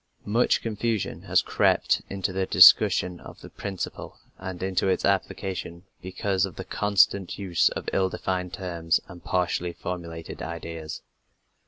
Much confusion has crept into the discussion of the principle and into its application because of the constant use of ill defined terms and partially formulated ideas.